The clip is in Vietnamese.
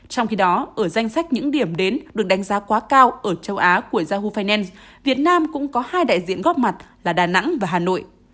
trong khi đó ở danh sách những điểm đến được đánh giá quá cao ở châu á của ja hu finance việt nam cũng có hai đại diện góp mặt là đà nẵng và hà nội